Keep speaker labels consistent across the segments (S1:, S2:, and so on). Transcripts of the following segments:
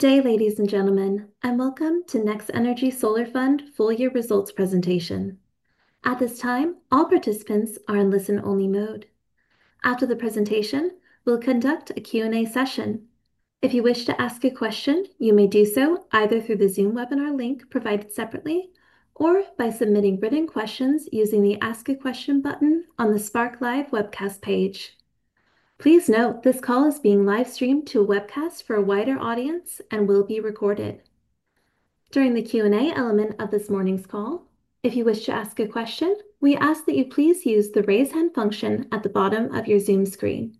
S1: Good day, ladies and gentlemen, and welcome to NextEnergy Solar Fund full year results presentation. At this time, all participants are in listen-only mode. After the presentation, we will conduct a Q&A session. If you wish to ask a question, you may do so either through the Zoom webinar link provided separately or by submitting written questions using the Ask a Question button on the SparkLive webcast page. Please note, this call is being live-streamed to a webcast for a wider audience and will be recorded. During the Q&A element of this morning's call, if you wish to ask a question, we ask that you please use the raise hand function at the bottom of your Zoom screen.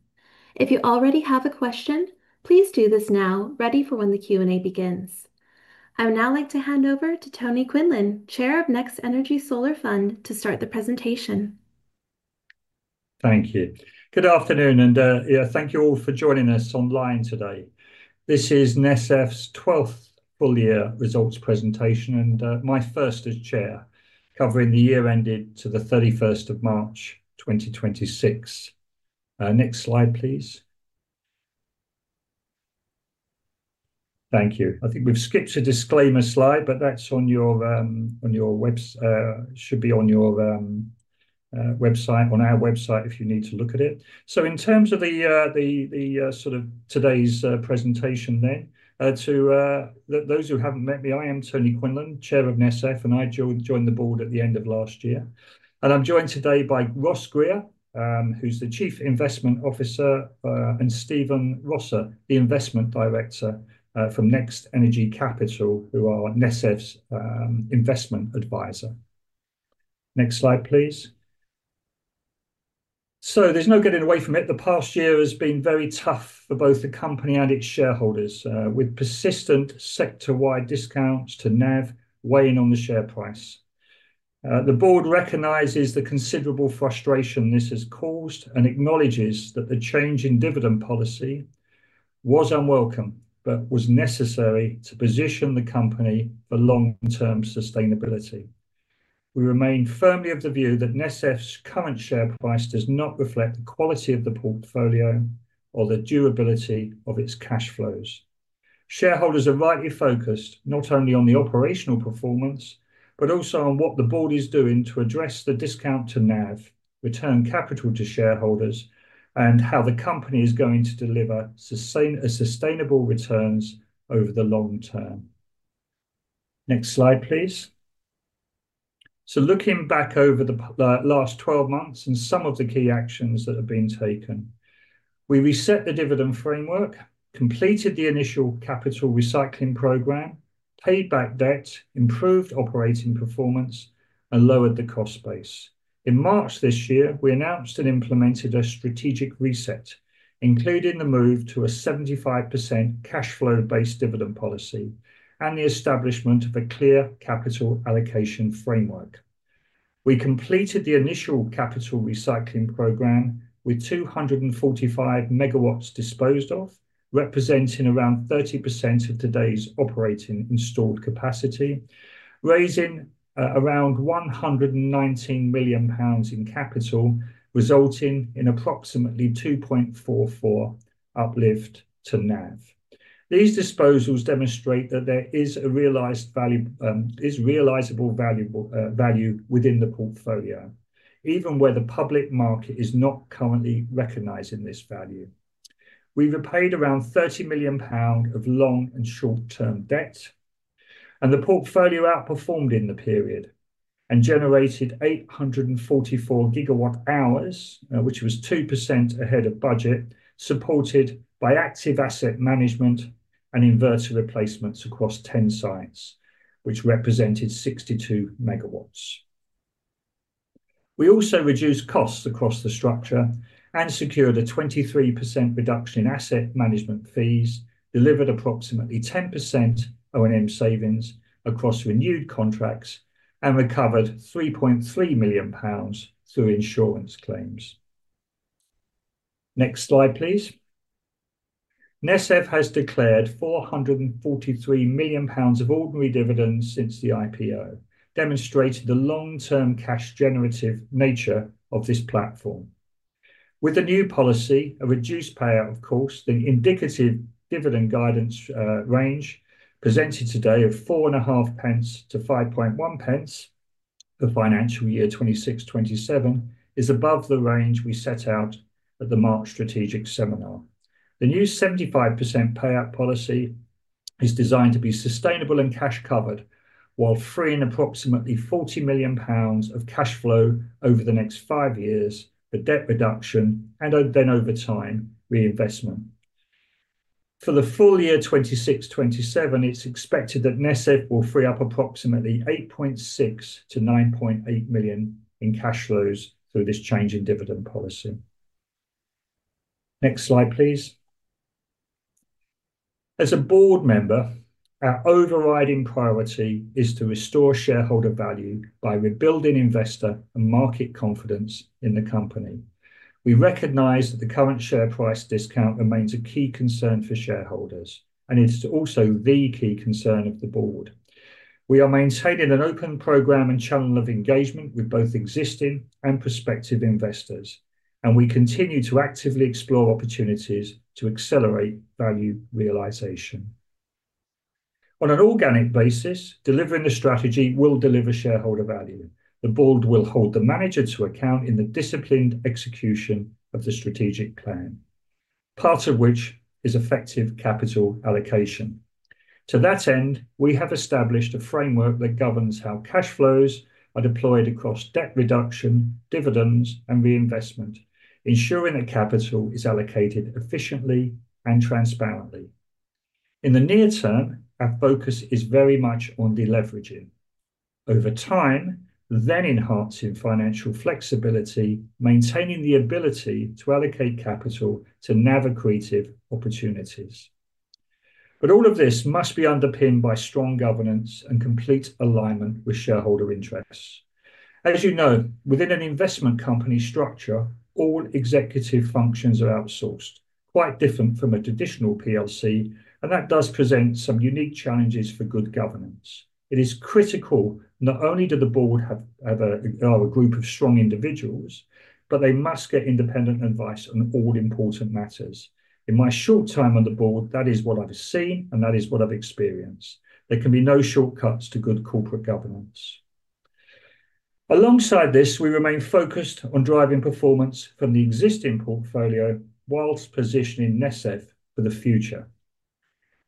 S1: If you already have a question, please do this now, ready for when the Q&A begins. I would now like to hand over to Tony Quinlan, Chair of NextEnergy Solar Fund, to start the presentation.
S2: Thank you. Good afternoon, and thank you all for joining us online today. This is NESF's 12th full year results presentation and my first as Chair, covering the year ended to the March 31st, 2026. Next slide, please. Thank you. I think we have skipped a disclaimer slide, but that should be on our website if you need to look at it. In terms of today's presentation then, to those who have not met me, I am Tony Quinlan, Chair of NESF, and I joined the board at the end of last year. I am joined today by Ross Grier, who is the Chief Investment Officer, and Stephen Rosser, the Investment Director from NextEnergy Capital, who are NESF's investment advisor. Next slide, please. There is no getting away from it, the past year has been very tough for both the company and its shareholders, with persistent sector-wide discounts to NAV weighing on the share price. The board recognizes the considerable frustration this has caused and acknowledges that the change in dividend policy was unwelcome, but was necessary to position the company for long-term sustainability. We remain firmly of the view that NESF's current share price does not reflect the quality of the portfolio or the durability of its cash flows. Shareholders are rightly focused, not only on the operational performance, but also on what the board is doing to address the discount to NAV, return capital to shareholders, and how the company is going to deliver sustainable returns over the long term. Next slide, please. Looking back over the last 12 months and some of the key actions that have been taken. We reset the dividend framework, completed the initial capital recycling program, paid back debt, improved operating performance, and lowered the cost base. In March this year, we announced and implemented a strategic reset, including the move to a 75% cash flow based dividend policy and the establishment of a clear capital allocation framework. We completed the initial capital recycling program with 245 MW disposed of, representing around 30% of today's operating installed capacity, raising around 119 million pounds in capital, resulting in approximately 2.44 uplift to NAV. These disposals demonstrate that there is realizable value within the portfolio, even where the public market is not currently recognizing this value. We've repaid around 30 million pound of long and short-term debt. The portfolio outperformed in the period and generated 844 GWh, which was 2% ahead of budget, supported by active asset management and inverter replacements across 10 sites, which represented 62 MW. We also reduced costs across the structure and secured a 23% reduction in asset management fees, delivered approximately 10% O&M savings across renewed contracts, and recovered 3.3 million pounds through insurance claims. Next slide, please. NESF has declared 443 million pounds of ordinary dividends since the IPO, demonstrating the long-term cash generative nature of this platform. With the new policy, a reduced payout, of course, the indicative dividend guidance range presented today of 0.045-0.051 for financial year 2026/2027 is above the range we set out at the March strategic seminar. The new 75% payout policy is designed to be sustainable and cash covered, while freeing approximately 40 million pounds of cash flow over the next five years for debt reduction, and then over time, reinvestment. For the full year 2026/2027, it's expected that NESF will free up approximately 8.6 million-9.8 million in cash flows through this change in dividend policy. Next slide, please. As a board member, our overriding priority is to restore shareholder value by rebuilding investor and market confidence in the company. We recognize that the current share price discount remains a key concern for shareholders, and it's also the key concern of the board. We are maintaining an open program and channel of engagement with both existing and prospective investors. We continue to actively explore opportunities to accelerate value realization. On an organic basis, delivering the strategy will deliver shareholder value. The board will hold the manager to account in the disciplined execution of the strategic plan, part of which is effective capital allocation. To that end, we have established a framework that governs how cash flows are deployed across debt reduction, dividends, and reinvestment, ensuring that capital is allocated efficiently and transparently. In the near term, our focus is very much on deleveraging. Over time, enhancing financial flexibility, maintaining the ability to allocate capital to accretive opportunities. All of this must be underpinned by strong governance and complete alignment with shareholder interests. As you know, within an investment company structure, all executive functions are outsourced, quite different from a traditional PLC, and that does present some unique challenges for good governance. It is critical not only to the board are a group of strong individuals, but they must get independent advice on all important matters. In my short time on the board, that is what I've seen and that is what I've experienced. There can be no shortcuts to good corporate governance. Alongside this, we remain focused on driving performance from the existing portfolio whilst positioning NESF for the future.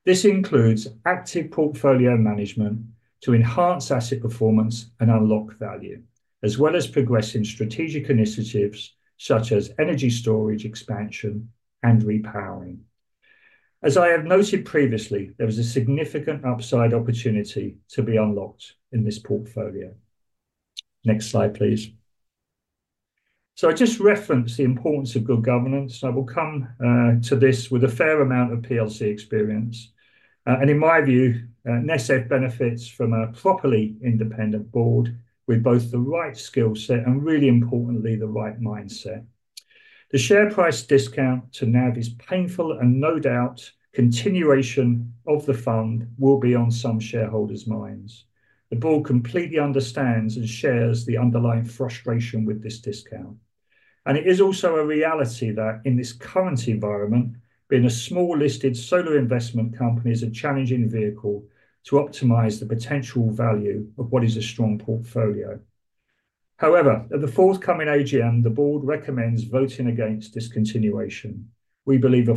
S2: This includes active portfolio management to enhance asset performance and unlock value, as well as progressing strategic initiatives such as energy storage expansion and repowering. As I have noted previously, there was a significant upside opportunity to be unlocked in this portfolio. Next slide, please. I just referenced the importance of good governance, and I will come to this with a fair amount of PLC experience. In my view, NESF benefits from a properly independent board with both the right skill set and, really importantly, the right mindset. The share price discount to NAV is painful and no doubt continuation of the fund will be on some shareholders' minds. The board completely understands and shares the underlying frustration with this discount, and it is also a reality that, in this current environment, being a small listed solar investment company is a challenging vehicle to optimize the potential value of what is a strong portfolio. However, at the forthcoming AGM, the board recommends voting against discontinuation. We believe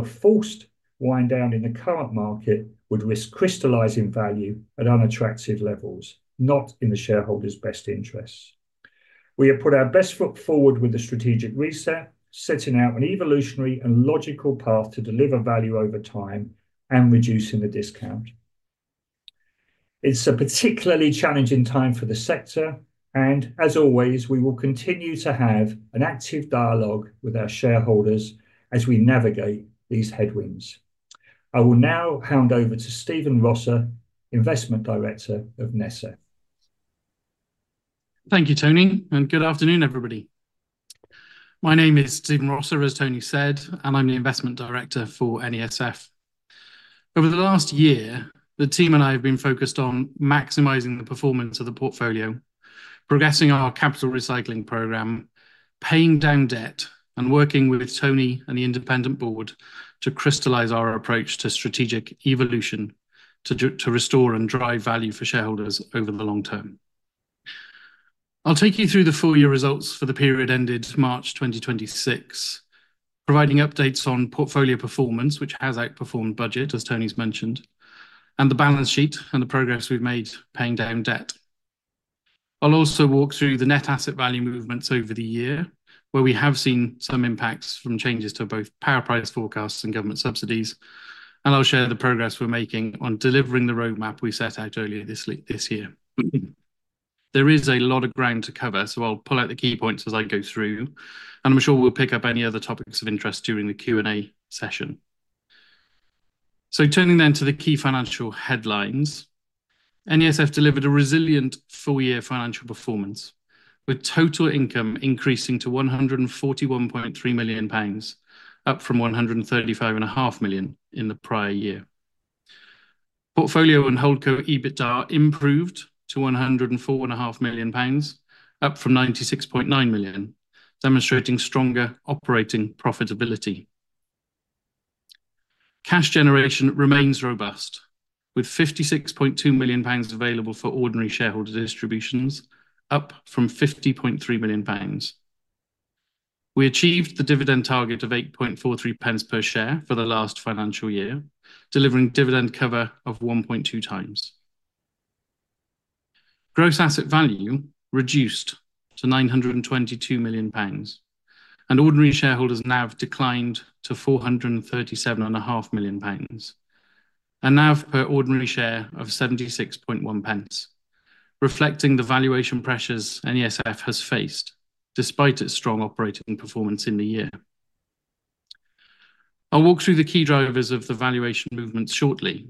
S2: a forced wind down in the current market would risk crystallizing value at unattractive levels, not in the shareholders' best interests. We have put our best foot forward with the strategic reset, setting out an evolutionary and logical path to deliver value over time and reducing the discount. It's a particularly challenging time for the sector and, as always, we will continue to have an active dialogue with our shareholders as we navigate these headwinds. I will now hand over to Stephen Rosser, Investment Director of NESF.
S3: Thank you, Tony, and good afternoon, everybody. My name is Stephen Rosser, as Tony said, and I'm the Investment Director for NESF. Over the last year, the team and I have been focused on maximizing the performance of the portfolio, progressing our capital recycling program, paying down debt, and working with Tony and the independent board to crystallize our approach to strategic evolution to restore and drive value for shareholders over the long term. I'll take you through the full year results for the period ended March 2026, providing updates on portfolio performance, which has outperformed budget, as Tony's mentioned, and the balance sheet and the progress we've made paying down debt. I'll also walk through the net asset value movements over the year, where we have seen some impacts from changes to both power price forecasts and government subsidies, and I'll share the progress we're making on delivering the roadmap we set out earlier this year. There is a lot of ground to cover, I'll pull out the key points as I go through, and I'm sure we'll pick up any other topics of interest during the Q&A session. Turning then to the key financial headlines. NESF delivered a resilient full year financial performance, with total income increasing to 141.3 million pounds, up from 135.5 million in the prior year. Portfolio and holdco EBITDA improved to 104.5 million pounds, up from 96.9 million, demonstrating stronger operating profitability. Cash generation remains robust with 56.2 million pounds available for ordinary shareholder distributions, up from 50.3 million pounds. We achieved the dividend target of 0.0843 per share for the last financial year, delivering dividend cover of 1.2x. Gross asset value reduced to 922 million pounds, and ordinary shareholders NAV declined to 437.5 million pounds. NAV per ordinary share of 0.761, reflecting the valuation pressures NESF has faced despite its strong operating performance in the year. I'll walk through the key drivers of the valuation movements shortly,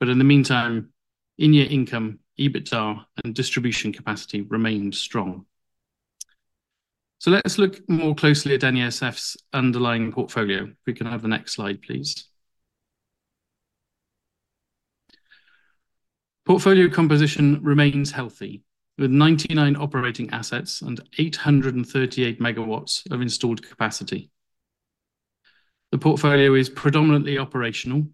S3: but in the meantime, in-year income, EBITDA, and distribution capacity remained strong. Let's look more closely at NESF's underlying portfolio. If we can have the next slide, please. Portfolio composition remains healthy with 99 operating assets and 838 MW of installed capacity. The portfolio is predominantly operational,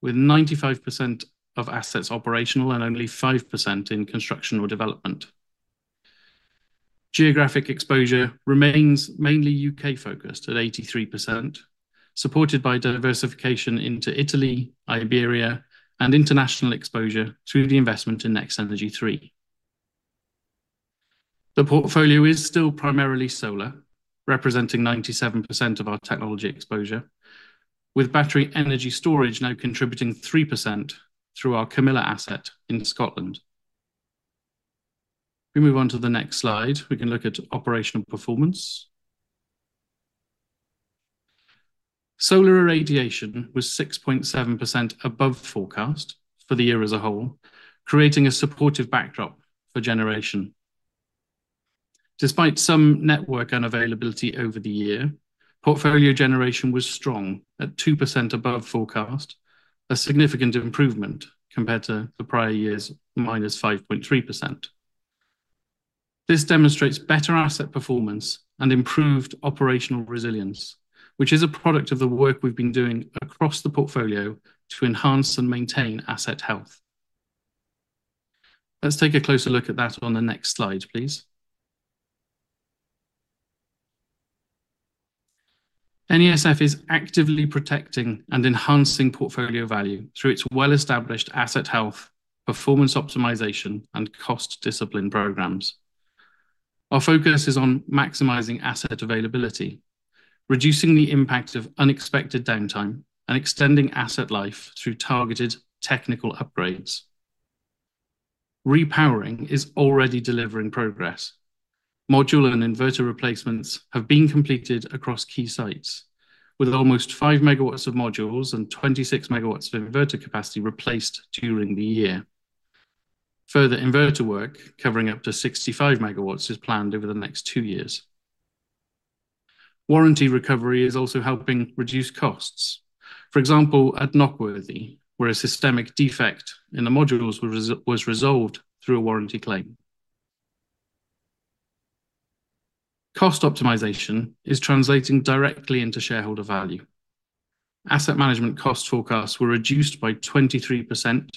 S3: with 95% of assets operational and only 5% in construction or development. Geographic exposure remains mainly U.K.-focused at 83%, supported by diversification into Italy, Iberia, and international exposure through the investment in NextEnergy III. The portfolio is still primarily solar, representing 97% of our technology exposure, with battery energy storage now contributing 3% through our Camilla asset in Scotland. If we move on to the next slide, we can look at operational performance. Solar irradiation was 6.7% above forecast for the year as a whole, creating a supportive backdrop for generation. Despite some network unavailability over the year, portfolio generation was strong at 2% above forecast, a significant improvement compared to the prior year's -5.3%. This demonstrates better asset performance and improved operational resilience, which is a product of the work we've been doing across the portfolio to enhance and maintain asset health. Let's take a closer look at that on the next slide, please. NESF is actively protecting and enhancing portfolio value through its well-established asset health, performance optimization, and cost discipline programs. Our focus is on maximizing asset availability, reducing the impact of unexpected downtime, and extending asset life through targeted technical upgrades. Repowering is already delivering progress. Module and inverter replacements have been completed across key sites, with almost 5 MW of modules and 26 MW of inverter capacity replaced during the year. Further inverter work covering up to 65 MW is planned over the next two years. Warranty recovery is also helping reduce costs. For example, at Knockworthy, where a systemic defect in the modules was resolved through a warranty claim. Cost optimization is translating directly into shareholder value. Asset management cost forecasts were reduced by 23%,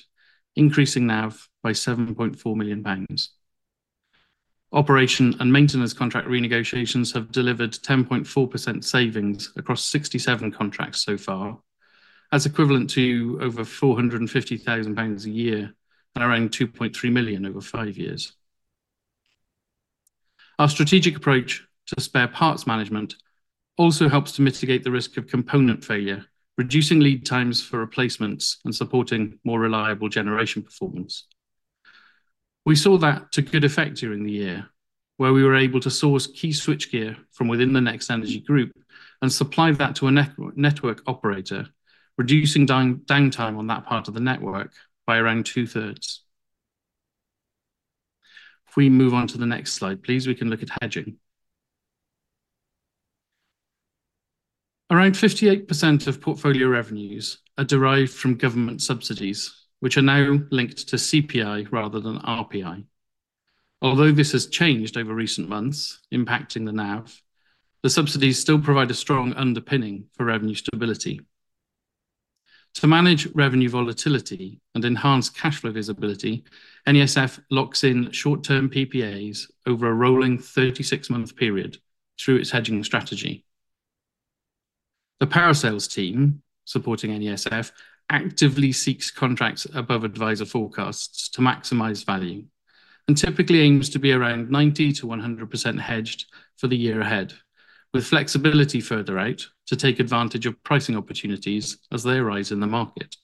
S3: increasing NAV by 7.4 million pounds. Operation and maintenance contract renegotiations have delivered 10.4% savings across 67 contracts so far. That's equivalent to over 450,000 pounds a year and around 2.3 million over five years. Our strategic approach to spare parts management also helps to mitigate the risk of component failure, reducing lead times for replacements and supporting more reliable generation performance. We saw that to good effect during the year, where we were able to source key switchgear from within the NextEnergy group and supply that to a network operator, reducing downtime on that part of the network by around 2/3s. If we move on to the next slide, please, we can look at hedging. Around 58% of portfolio revenues are derived from government subsidies, which are now linked to CPI rather than RPI. Although this has changed over recent months, impacting the NAV, the subsidies still provide a strong underpinning for revenue stability. To manage revenue volatility and enhance cash flow visibility, NESF locks in short-term PPAs over a rolling 36-month period through its hedging strategy. The power sales team supporting NESF actively seeks contracts above advisor forecasts to maximize value and typically aims to be around 90%-100% hedged for the year ahead, with flexibility further out to take advantage of pricing opportunities as they arise in the market.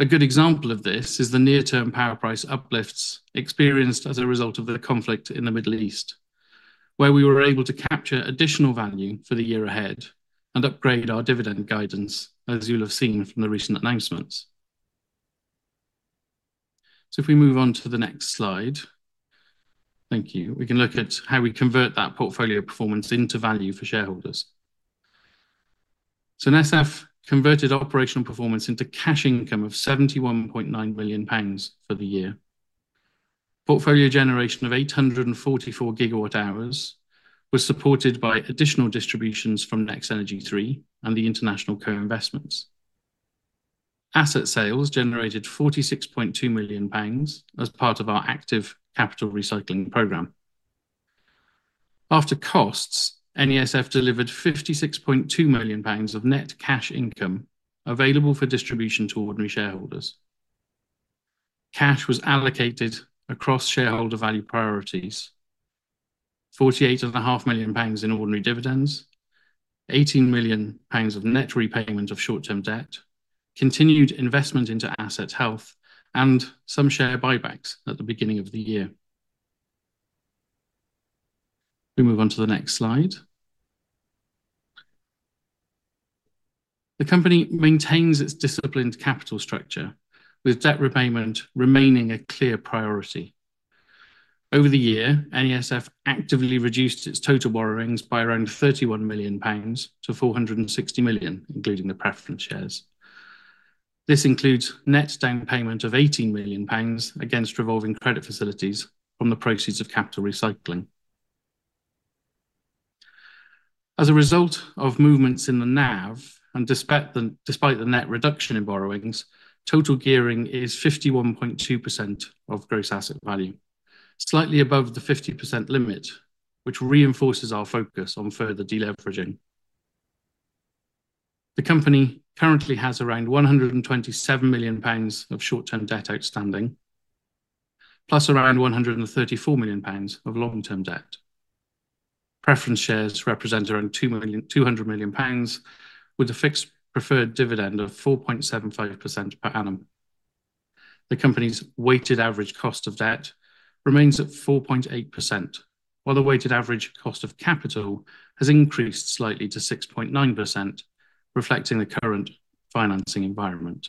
S3: A good example of this is the near-term power price uplifts experienced as a result of the conflict in the Middle East, where we were able to capture additional value for the year ahead and upgrade our dividend guidance, as you'll have seen from the recent announcements. If we move on to the next slide. Thank you. We can look at how we convert that portfolio performance into value for shareholders. NESF converted operational performance into cash income of 71.9 million pounds for the year. Portfolio generation of 844 GWh was supported by additional distributions from NextEnergy III and the international co-investments. Asset sales generated GBP 46.2 million as part of our active capital recycling program. After costs, NESF delivered 56.2 million pounds of net cash income available for distribution to ordinary shareholders. Cash was allocated across shareholder value priorities: 48.5 million pounds in ordinary dividends, 18 million pounds of net repayment of short-term debt, continued investment into asset health, and some share buybacks at the beginning of the year. If we move on to the next slide. The company maintains its disciplined capital structure, with debt repayment remaining a clear priority. Over the year NESF actively reduced its total borrowings by around 31 million-460 million pounds, including the preference shares. This includes net down payment of 18 million pounds against revolving credit facilities from the proceeds of capital recycling. As a result of movements in the NAV and despite the net reduction in borrowings, total gearing is 51.2% of gross asset value, slightly above the 50% limit, which reinforces our focus on further deleveraging. The company currently has around 127 million pounds of short-term debt outstanding, plus around 134 million pounds of long-term debt. Preference shares represent around 200 million pounds with a fixed preferred dividend of 4.75% per annum. The company's weighted average cost of debt remains at 4.8%, while the weighted average cost of capital has increased slightly to 6.9%, reflecting the current financing environment.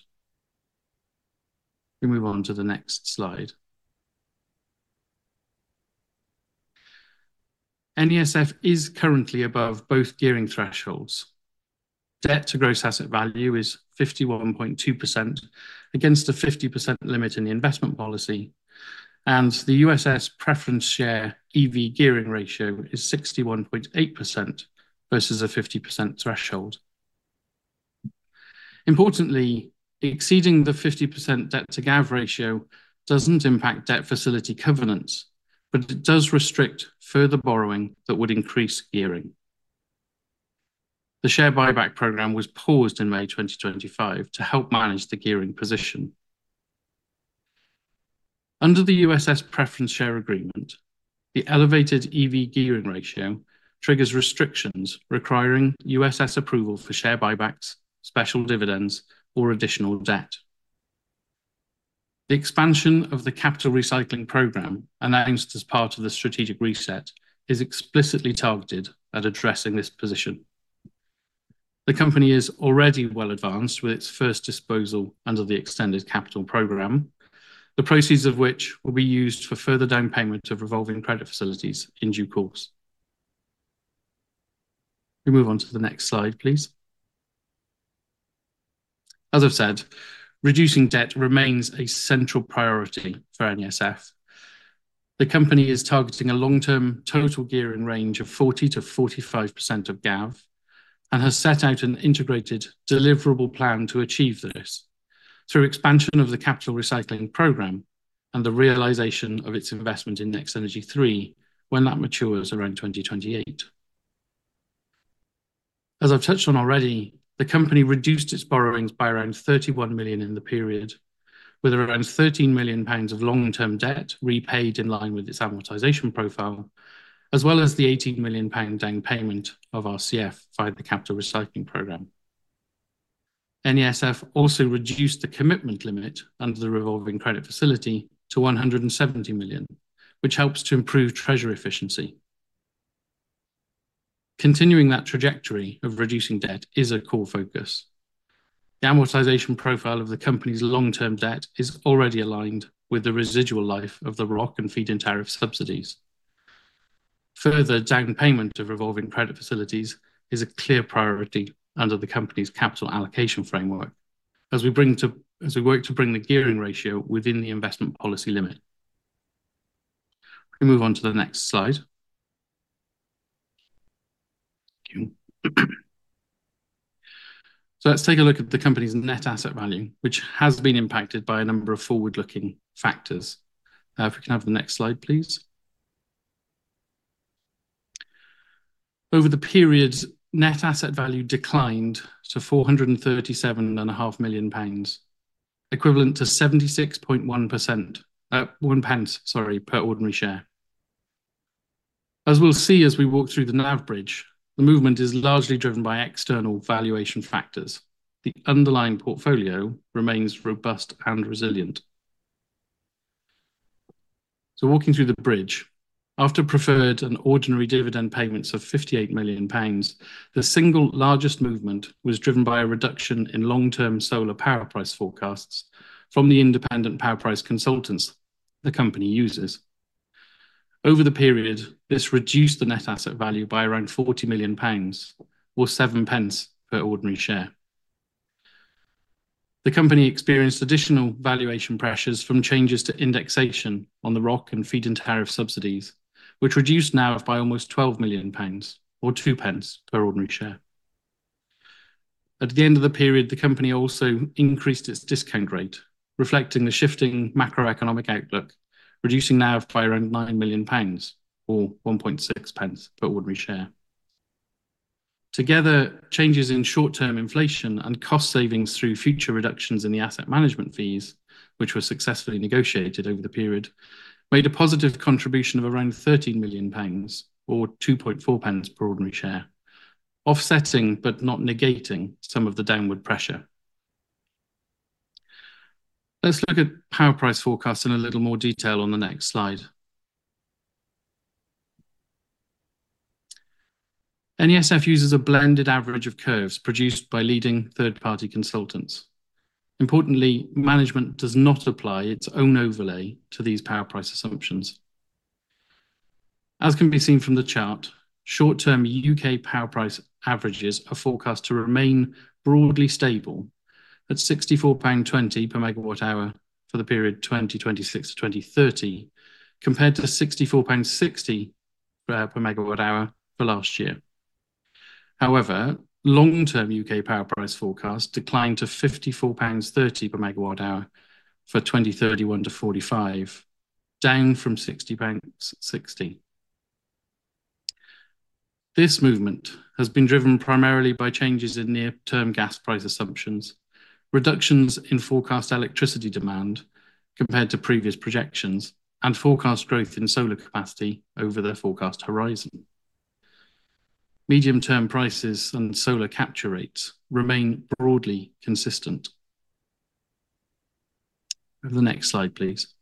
S3: We move on to the next slide. NESF is currently above both gearing thresholds. Debt to gross asset value is 51.2% against a 50% limit in the investment policy, and the USS preference share EV gearing ratio is 61.8% versus a 50% threshold. Importantly, exceeding the 50% debt to GAV ratio doesn't impact debt facility covenants, but it does restrict further borrowing that would increase gearing. The share buyback program was paused in May 2025 to help manage the gearing position. Under the USS preference share agreement, the elevated EV gearing ratio triggers restrictions requiring USS approval for share buybacks, special dividends, or additional debt. The expansion of the capital recycling program, announced as part of the strategic reset, is explicitly targeted at addressing this position. The company is already well advanced with its first disposal under the extended capital program, the proceeds of which will be used for further down payment of revolving credit facilities in due course. We move on to the next slide, please. As I've said, reducing debt remains a central priority for NESF. The company is targeting a long-term total gearing range of 40%-45% of GAV and has set out an integrated deliverable plan to achieve this through expansion of the capital recycling program and the realization of its investment in NextEnergy III when that matures around 2028. As I've touched on already, the company reduced its borrowings by around 31 million in the period, with around 13 million pounds of long-term debt repaid in line with its amortization profile, as well as the 18 million pound down payment of RCF via the capital recycling program. NESF also reduced the commitment limit under the revolving credit facility to 170 million, which helps to improve treasury efficiency. Continuing that trajectory of reducing debt is a core focus. The amortization profile of the company's long-term debt is already aligned with the residual life of the ROC and Feed-in Tariff subsidies. Further down payment of revolving credit facilities is a clear priority under the company's capital allocation framework as we work to bring the gearing ratio within the investment policy limit. We move on to the next slide. Thank you. Let's take a look at the company's net asset value, which has been impacted by a number of forward-looking factors. If we can have the next slide, please. Over the period, net asset value declined to 437.5 million pounds, equivalent to 0.761 per ordinary share. As we'll see as we walk through the NAV bridge, the movement is largely driven by external valuation factors. The underlying portfolio remains robust and resilient. Walking through the bridge, after preferred and ordinary dividend payments of 58 million pounds, the single largest movement was driven by a reduction in long-term solar power price forecasts from the independent power price consultants the company uses. Over the period, this reduced the net asset value by around 40 million pounds or 0.07 per ordinary share. The company experienced additional valuation pressures from changes to indexation on the ROC and Feed-in Tariff subsidies, which reduced NAV by almost 12 million pounds or 0.02 per ordinary share. At the end of the period, the company also increased its discount rate, reflecting the shifting macroeconomic outlook, reducing NAV by around 9 million pounds or 0.016 per ordinary share. Together, changes in short-term inflation and cost savings through future reductions in the asset management fees, which were successfully negotiated over the period, made a positive contribution of around 13 million pounds or 0.024 per ordinary share, offsetting but not negating some of the downward pressure. Let's look at power price forecasts in a little more detail on the next slide. NESF uses a blended average of curves produced by leading third-party consultants. Importantly, management does not apply its own overlay to these power price assumptions. As can be seen from the chart, short-term U.K. power price averages are forecast to remain broadly stable at 64.20 pound per MWh for the period 2026-2030, compared to 64.60 pounds per MWh for last year. However, long-term U.K. power price forecast declined to 54.30 pounds per MWh for 2031-2045, down from 60.60 pounds. This movement has been driven primarily by changes in near-term gas price assumptions, reductions in forecast electricity demand compared to previous projections, and forecast growth in solar capacity over the forecast horizon. Medium-term prices and solar capture rates remain broadly consistent. Can I have the next slide, please.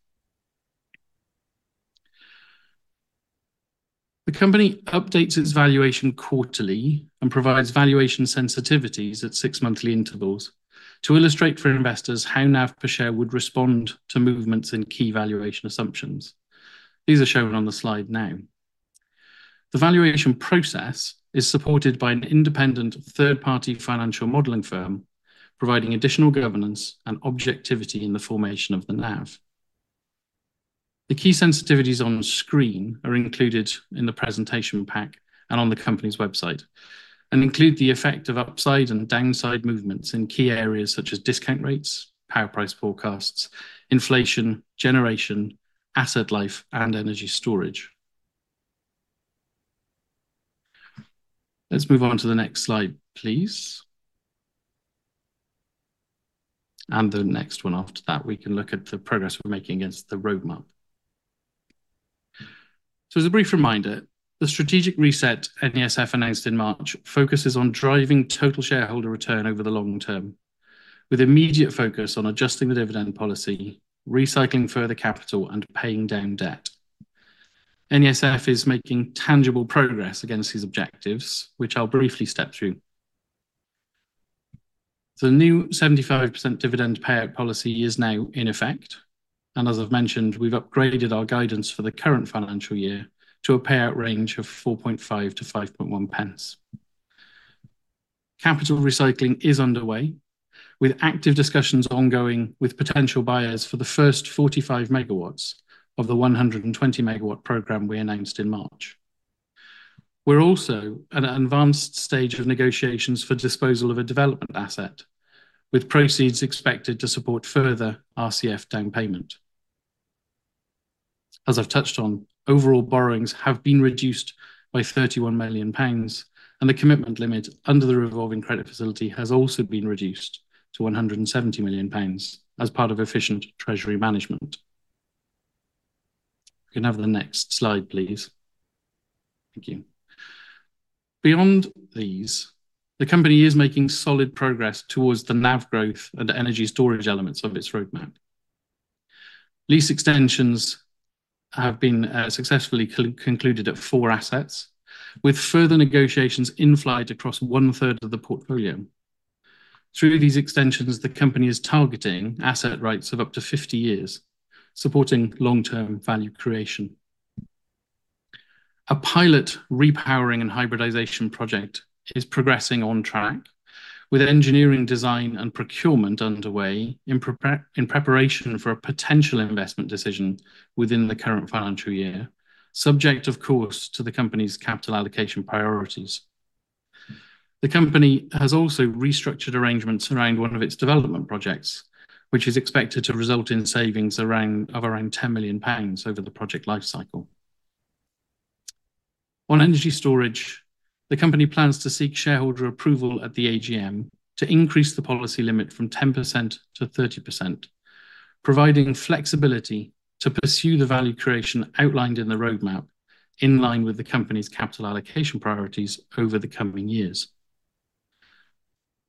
S3: The company updates its valuation quarterly and provides valuation sensitivities at six monthly intervals to illustrate for investors how NAV per share would respond to movements in key valuation assumptions. These are shown on the slide now. The valuation process is supported by an independent third-party financial modeling firm, providing additional governance and objectivity in the formation of the NAV. The key sensitivities on screen are included in the presentation pack and on the company's website and include the effect of upside and downside movements in key areas such as discount rates, power price forecasts, inflation, generation, asset life, and energy storage. Let's move on to the next slide, please. And the next one after that, we can look at the progress we're making against the roadmap. As a brief reminder, the strategic reset NESF announced in March focuses on driving total shareholder return over the long term with immediate focus on adjusting the dividend policy, recycling further capital, and paying down debt. NESF is making tangible progress against these objectives, which I'll briefly step through. The new 75% dividend payout policy is now in effect, and as I've mentioned, we've upgraded our guidance for the current financial year to a payout range of 0.045-0.051. Capital recycling is underway with active discussions ongoing with potential buyers for the first 45 MW of the 120 MW program we announced in March. We're also at an advanced stage of negotiations for disposal of a development asset, with proceeds expected to support further RCF down payment. As I've touched on, overall borrowings have been reduced by 31 million pounds and the commitment limit under the revolving credit facility has also been reduced to 170 million pounds as part of efficient treasury management. We can have the next slide, please. Thank you. Beyond these, the company is making solid progress towards the NAV growth and the energy storage elements of its roadmap. Lease extensions have been successfully concluded at four assets with further negotiations in flight across 1/3 of the portfolio. Through these extensions, the company is targeting asset rights of up to 50 years, supporting long-term value creation. A pilot repowering and hybridization project is progressing on track with engineering design and procurement underway in preparation for a potential investment decision within the current financial year, subject, of course, to the company's capital allocation priorities. The company has also restructured arrangements around one of its development projects, which is expected to result in savings of around 10 million pounds over the project life cycle. On energy storage, the company plans to seek shareholder approval at the AGM to increase the policy limit from 10%-30%, providing flexibility to pursue the value creation outlined in the roadmap, in line with the company's capital allocation priorities over the coming years.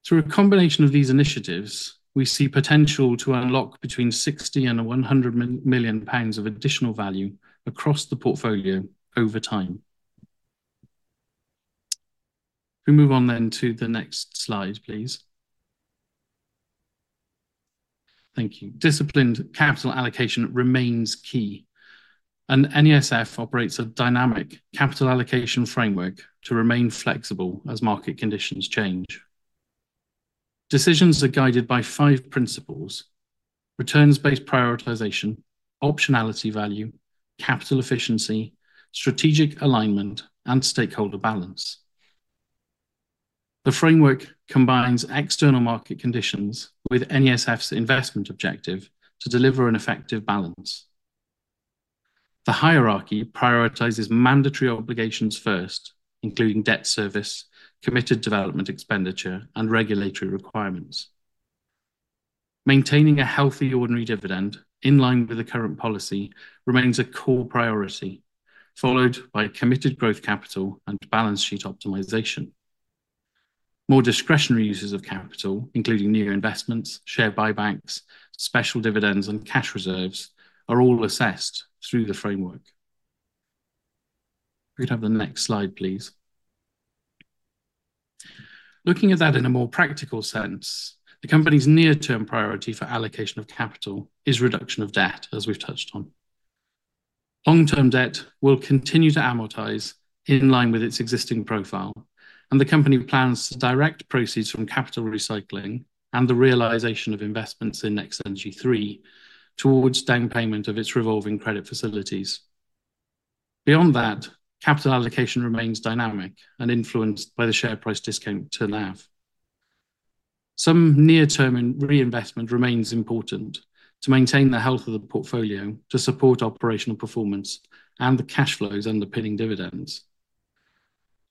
S3: Through a combination of these initiatives, we see potential to unlock between 60 million-100 million pounds of additional value across the portfolio over time. Can we move on then to the next slide, please? Thank you. Disciplined capital allocation remains key. NESF operates a dynamic capital allocation framework to remain flexible as market conditions change. Decisions are guided by five principles: returns-based prioritization, optionality value, capital efficiency, strategic alignment, and stakeholder balance. The framework combines external market conditions with NESF's investment objective to deliver an effective balance. The hierarchy prioritizes mandatory obligations first, including debt service, committed development expenditure, and regulatory requirements. Maintaining a healthy ordinary dividend in line with the current policy remains a core priority, followed by committed growth capital and balance sheet optimization. More discretionary uses of capital, including new investments, share buybacks, special dividends and cash reserves, are all assessed through the framework. If we could have the next slide, please. Looking at that in a more practical sense, the company's near-term priority for allocation of capital is reduction of debt, as we've touched on. Long-term debt will continue to amortize in line with its existing profile. The company plans to direct proceeds from capital recycling and the realization of investments in NextEnergy III towards down payment of its revolving credit facilities. Beyond that, capital allocation remains dynamic and influenced by the share price discount to NAV. Some near-term reinvestment remains important to maintain the health of the portfolio to support operational performance and the cash flows underpinning dividends.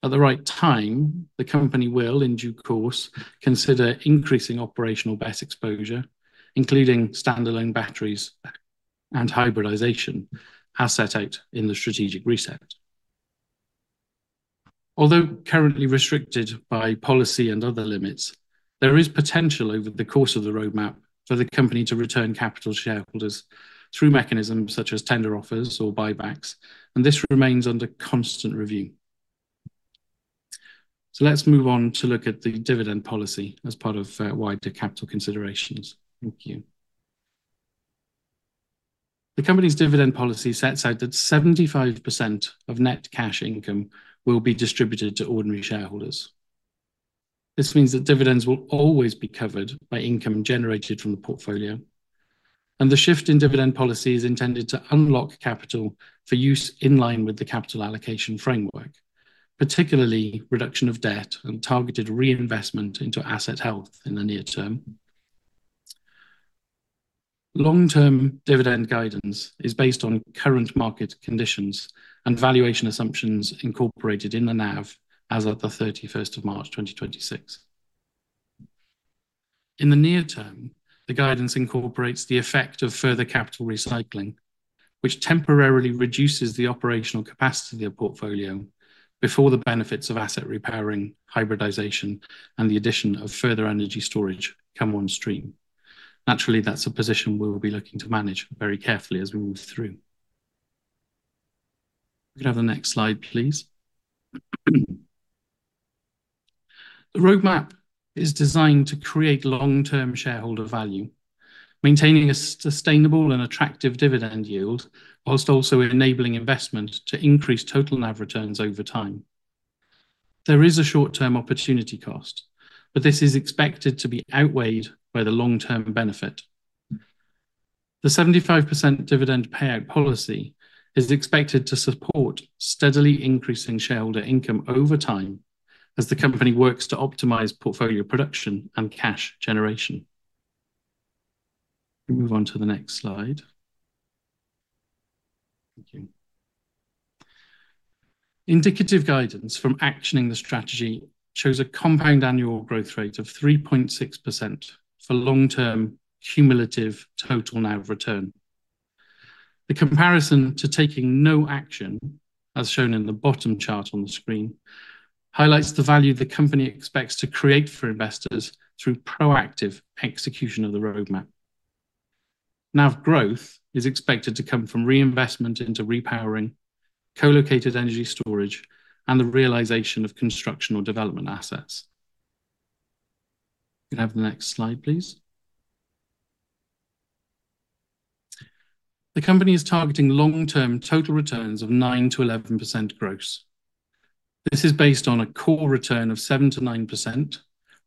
S3: At the right time, the company will, in due course, consider increasing operational BESS exposure, including standalone batteries and hybridization, as set out in the strategic reset. Although currently restricted by policy and other limits, there is potential over the course of the roadmap for the company to return capital to shareholders through mechanisms such as tender offers or buybacks, and this remains under constant review. Let's move on to look at the dividend policy as part of wider capital considerations. Thank you. The company's dividend policy sets out that 75% of net cash income will be distributed to ordinary shareholders. This means that dividends will always be covered by income generated from the portfolio. The shift in dividend policy is intended to unlock capital for use in line with the capital allocation framework, particularly reduction of debt and targeted reinvestment into asset health in the near term. Long-term dividend guidance is based on current market conditions and valuation assumptions incorporated in the NAV as at the March 31st, 2026. In the near term, the guidance incorporates the effect of further capital recycling, which temporarily reduces the operational capacity of portfolio before the benefits of asset repowering, hybridization, and the addition of further energy storage come on stream. Naturally, that's a position we will be looking to manage very carefully as we move through. If we could have the next slide, please. The roadmap is designed to create long-term shareholder value, maintaining a sustainable and attractive dividend yield, while also enabling investment to increase total NAV returns over time. There is a short-term opportunity cost, but this is expected to be outweighed by the long-term benefit. The 75% dividend payout policy is expected to support steadily increasing shareholder income over time as the company works to optimize portfolio production and cash generation. We move on to the next slide. Thank you. Indicative guidance from actioning the strategy shows a compound annual growth rate of 3.6% for long-term cumulative total NAV return. The comparison to taking no action, as shown in the bottom chart on the screen, highlights the value the company expects to create for investors through proactive execution of the roadmap. NAV growth is expected to come from reinvestment into repowering, co-located energy storage, and the realization of construction or development assets. If we could have the next slide, please. The company is targeting long-term total returns of 9%-11% gross. This is based on a core return of 7%-9%,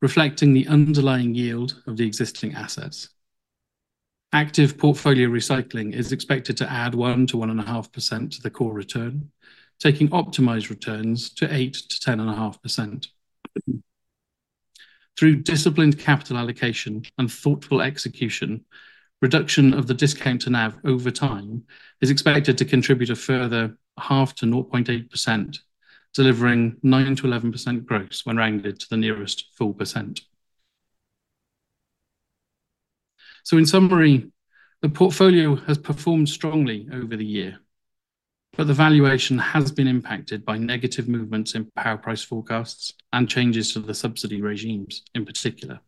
S3: reflecting the underlying yield of the existing assets. Active portfolio recycling is expected to add 1%-1.5% to the core return, taking optimized returns to 8%-10.5%. Through disciplined capital allocation and thoughtful execution, reduction of the discount to NAV over time is expected to contribute a further 0.5%-0.8%, delivering 9%-11% gross when rounded to the nearest full percent. In summary, the portfolio has performed strongly over the year, but the valuation has been impacted by negative movements in power price forecasts and changes to the subsidy regimes in particular.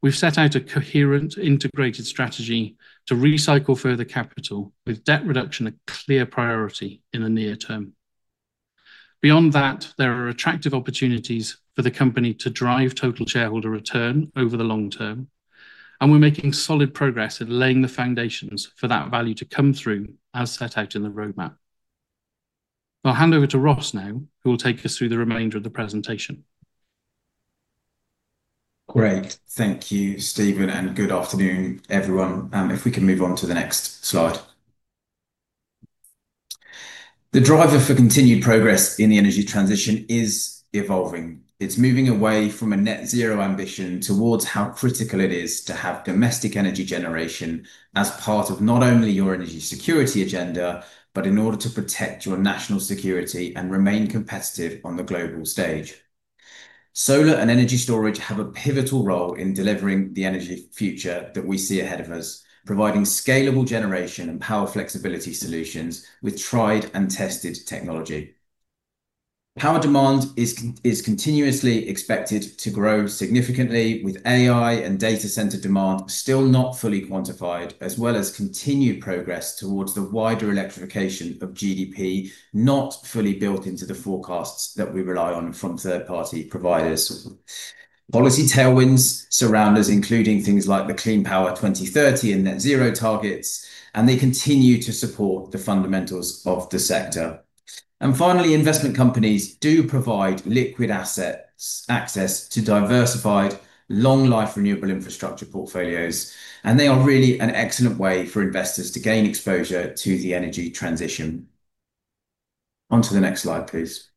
S3: We've set out a coherent, integrated strategy to recycle further capital, with debt reduction a clear priority in the near term. Beyond that, there are attractive opportunities for the company to drive total shareholder return over the long term, and we're making solid progress in laying the foundations for that value to come through as set out in the roadmap. I'll hand over to Ross now, who will take us through the remainder of the presentation.
S4: Great. Thank you, Stephen, and good afternoon, everyone. If we can move on to the next slide. The driver for continued progress in the energy transition is evolving. It's moving away from a net zero ambition towards how critical it is to have domestic energy generation as part of not only your energy security agenda, but in order to protect your national security and remain competitive on the global stage. Solar and energy storage have a pivotal role in delivering the energy future that we see ahead of us, providing scalable generation and power flexibility solutions with tried and tested technology. Power demand is continuously expected to grow significantly with AI and data center demand still not fully quantified, as well as continued progress towards the wider electrification of GDP not fully built into the forecasts that we rely on from third-party providers. Policy tailwinds surround us, including things like the Clean Power 2030 and net zero targets, and they continue to support the fundamentals of the sector. Finally, investment companies do provide liquid asset access to diversified, long-life renewable infrastructure portfolios, and they are really an excellent way for investors to gain exposure to the energy transition. On to the next slide, please.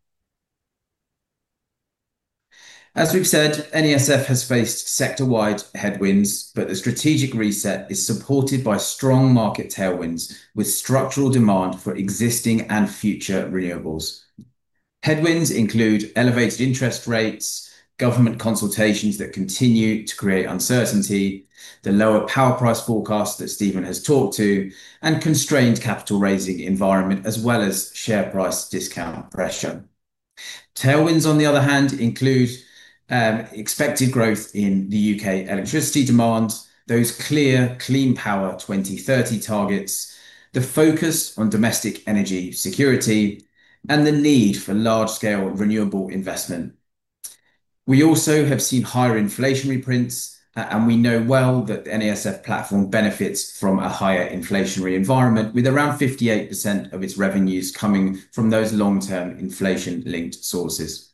S4: As we've said, NESF has faced sector-wide headwinds, the strategic reset is supported by strong market tailwinds with structural demand for existing and future renewables. Headwinds include elevated interest rates, government consultations that continue to create uncertainty, the lower power price forecast that Stephen has talked to, and constrained capital raising environment, as well as share price discount pressure. Tailwinds, on the other hand, include expected growth in the U.K. electricity demand, those clear Clean Power 2030 targets, the focus on domestic energy security, and the need for large-scale renewable investment. We also have seen higher inflationary prints, and we know well that NESF platform benefits from a higher inflationary environment with around 58% of its revenues coming from those long-term inflation-linked sources.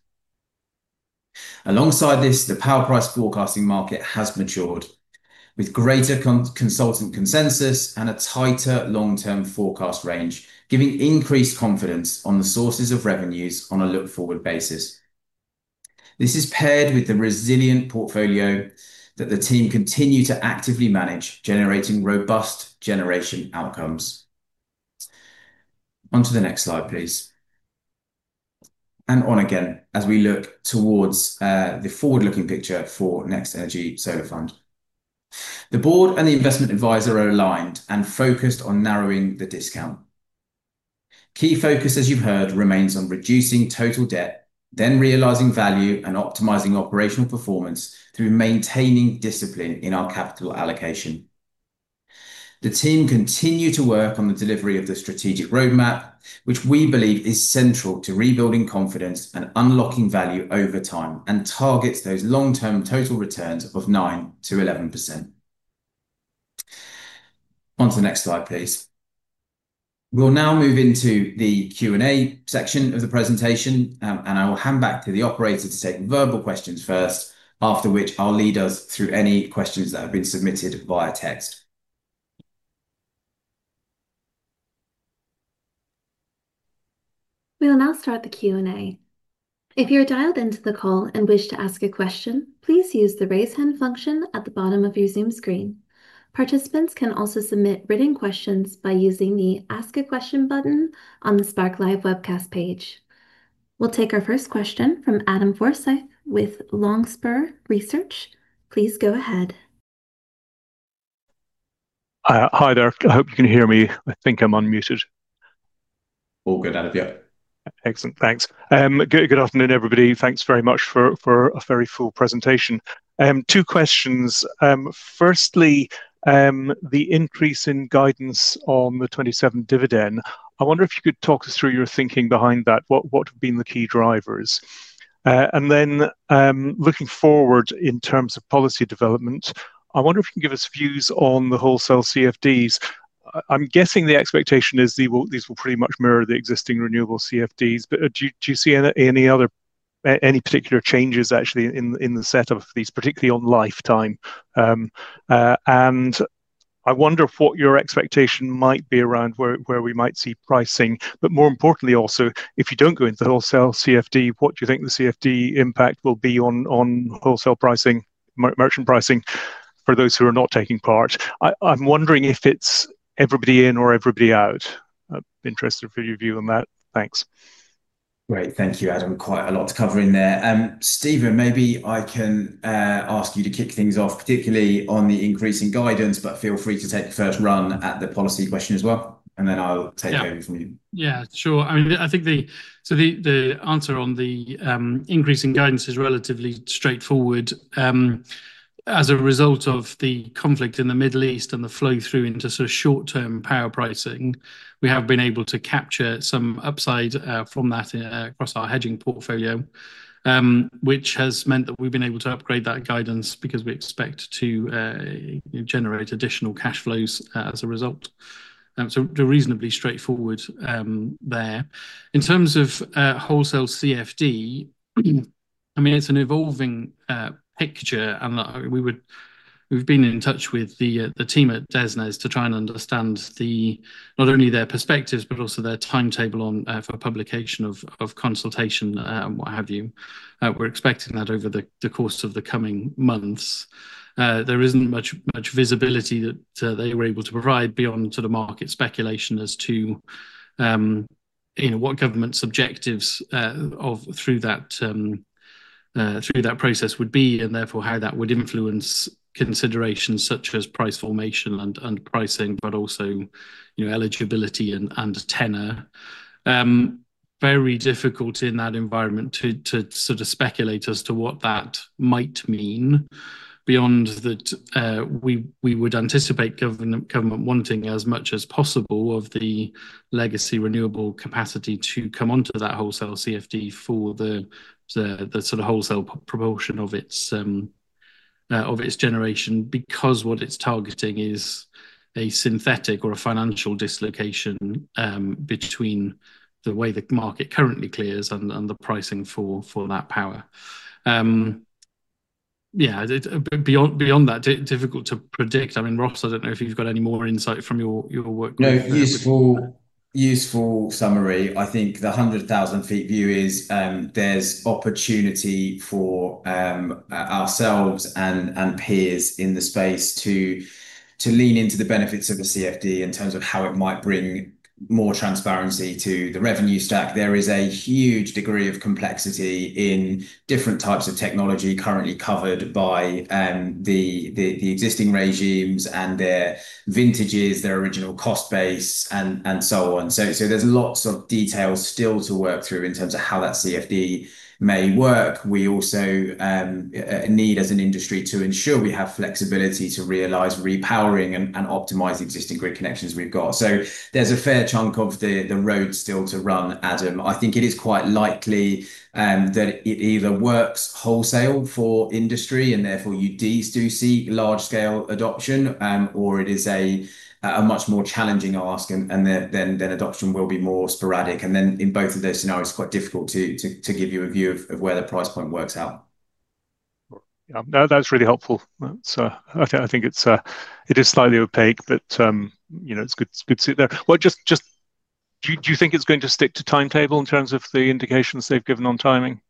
S4: Alongside this, the power price forecasting market has matured with greater consultant consensus and a tighter long-term forecast range, giving increased confidence on the sources of revenues on a look-forward basis. This is paired with the resilient portfolio that the team continue to actively manage, generating robust generation outcomes. On to the next slide, please. On again, as we look towards the forward-looking picture for NextEnergy Solar Fund. The board and the investment advisor are aligned and focused on narrowing the discount. Key focus, as you've heard, remains on reducing total debt, then realizing value and optimizing operational performance through maintaining discipline in our capital allocation. The team continue to work on the delivery of the strategic roadmap, which we believe is central to rebuilding confidence and unlocking value over time and targets those long-term total returns of 9%-11%. On to the next slide, please. We'll now move into the Q&A section of the presentation, and I will hand back to the operator to take verbal questions first, after which I'll lead us through any questions that have been submitted via text.
S1: We will now start the Q&A. If you're dialed into the call and wish to ask a question, please use the raise hand function at the bottom of your Zoom screen. Participants can also submit written questions by using the Ask a Question button on the SparkLive Webcast page. We'll take our first question from Adam Forsyth with Longspur Research. Please go ahead.
S5: Hi there. I hope you can hear me. I think I'm unmuted.
S4: All good, Adam. Yeah.
S5: Excellent. Thanks. Good afternoon, everybody. Thanks very much for a very full presentation. Two questions. Firstly, the increase in guidance on the 27 dividend. I wonder if you could talk us through your thinking behind that. What have been the key drivers? Looking forward in terms of policy development, I wonder if you can give us views on the wholesale CFDs. I'm guessing the expectation is these will pretty much mirror the existing renewable CFDs, do you see any particular changes actually in the set of these, particularly on lifetime? I wonder what your expectation might be around where we might see pricing, more importantly, also, if you don't go into the wholesale CFD, what do you think the CFD impact will be on wholesale pricing, merchant pricing for those who are not taking part? I'm wondering if it's everybody in or everybody out. I'd be interested for your view on that. Thanks.
S4: Great. Thank you, Adam. Quite a lot to cover in there. Stephen, maybe I can ask you to kick things off, particularly on the increase in guidance, but feel free to take the first run at the policy question as well, and then I'll take over from you.
S3: Yeah, sure. The answer on the increase in guidance is relatively straightforward. As a result of the conflict in the Middle East and the flow through into sort of short-term power pricing, we have been able to capture some upside from that across our hedging portfolio, which has meant that we've been able to upgrade that guidance because we expect to generate additional cash flows as a result. Reasonably straightforward there. In terms of wholesale CFD, it's an evolving picture, and we've been in touch with the team at DESNZ to try and understand not only their perspectives, but also their timetable for publication of consultation and what have you. We're expecting that over the course of the coming months. There isn't much visibility that they were able to provide beyond sort of market speculation as to what government's objectives through that process would be, and therefore, how that would influence considerations such as price formation and pricing, but also eligibility and tenure. Very difficult in that environment to speculate as to what that might mean beyond that we would anticipate government wanting as much as possible of the legacy renewable capacity to come onto that wholesale CFD for the wholesale promotion of its generation, because what it's targeting is a synthetic or a financial dislocation between the way the market currently clears and the pricing for that power. Yeah. Beyond that, difficult to predict. Ross, I don't know if you've got any more insight from your work-
S4: No, useful summary. I think the 100,000 feet view is there's opportunity for ourselves and peers in the space to lean into the benefits of a CFD in terms of how it might bring more transparency to the revenue stack. There is a huge degree of complexity in different types of technology currently covered by the existing regimes and their vintages, their original cost base and so on. There's lots of details still to work through in terms of how that CFD may work. We also need, as an industry, to ensure we have flexibility to realize repowering and optimize existing grid connections we've got. There's a fair chunk of the road still to run, Adam. I think it is quite likely that it either works wholesale for industry and therefore you do see large scale adoption, or it is a much more challenging ask, and then adoption will be more sporadic. In both of those scenarios, quite difficult to give you a view of where the price point works out.
S5: Yeah. No, that's really helpful. I think it is slightly opaque, but it's good to see there. Do you think it's going to stick to timetable in terms of the indications they've given on timing?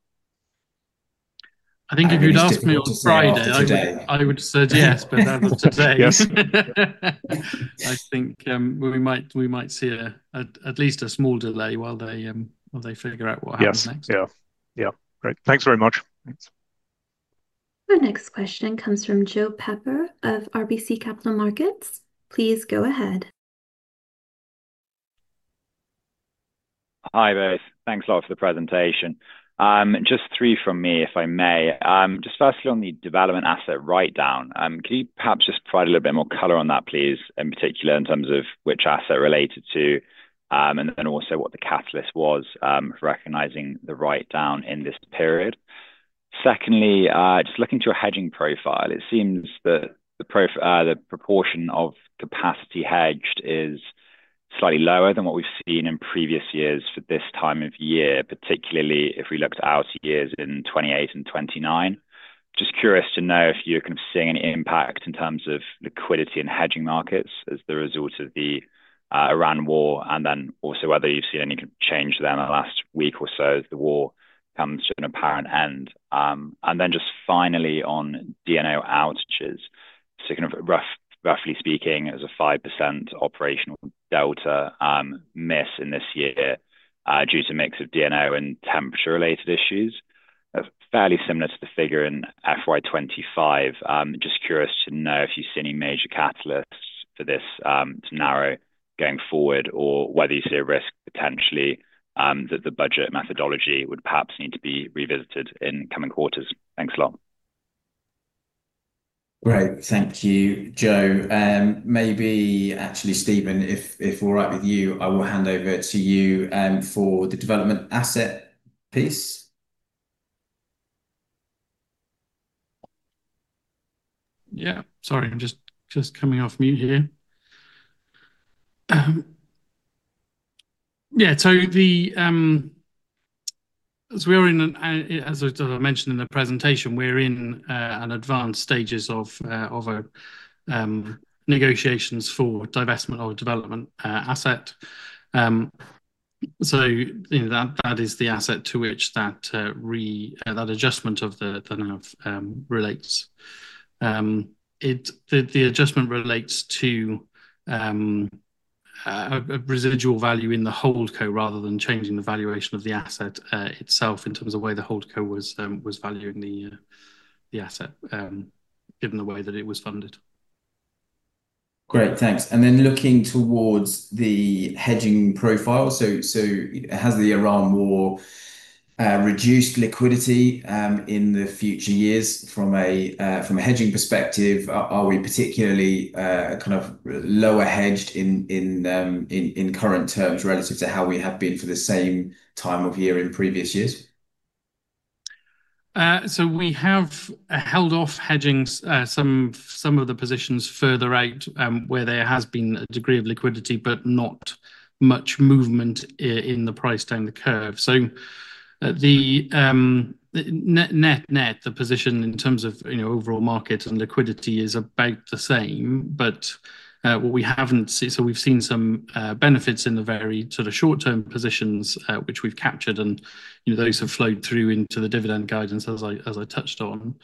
S3: I think if you'd asked me on Friday.
S4: I think it's difficult to say other than today.
S3: I would've said yes, but as of today
S5: Yes.
S3: I think we might see at least a small delay while they figure out what happens next.
S5: Yes. Great. Thanks very much.
S4: Thanks.
S1: The next question comes from Joe Pepper of RBC Capital Markets. Please go ahead.
S6: Hi, guys. Thanks a lot for the presentation. Just three from me, if I may. Firstly, on the development asset write-down, can you perhaps just provide a little bit more color on that, please, in particular in terms of which asset related to, also what the catalyst was for recognizing the write-down in this period. Secondly, looking to a hedging profile, it seems that the proportion of capacity hedged is slightly lower than what we've seen in previous years for this time of year, particularly if we look to outer years in 2028 and 2029. Curious to know if you're seeing any impact in terms of liquidity in hedging markets as the result of the Iran war, also whether you've seen any change there in the last week or so as the war comes to an apparent end. Finally on DNO outages, so roughly speaking, it was a 5% operational delta miss in this year, due to a mix of DNO and temperature-related issues. Fairly similar to the figure in FY 2025. Curious to know if you've seen any major catalysts for this to narrow going forward, or whether you see a risk potentially, that the budget methodology would perhaps need to be revisited in coming quarters. Thanks a lot.
S4: Great. Thank you, Joe. Maybe actually, Stephen, if we're all right with you, I will hand over to you for the development asset piece.
S3: Sorry, I'm just coming off mute here. As I mentioned in the presentation, we're in an advanced stages of negotiations for divestment of a development asset. That is the asset to which that adjustment of the NAV relates. The adjustment relates to a residual value in the holdco rather than changing the valuation of the asset itself in terms of the way the holdco was valuing the asset, given the way that it was funded.
S4: Great, thanks. Looking towards the hedging profile, has the Iran war reduced liquidity in the future years from a hedging perspective? Are we particularly lower hedged in current terms relative to how we have been for the same time of year in previous years?
S3: We have held off hedging some of the positions further out, where there has been a degree of liquidity, but not much movement in the price down the curve. Net the position in terms of overall market and liquidity is about the same. We've seen some benefits in the very short-term positions, which we've captured, and those have flowed through into the dividend guidance as I touched on.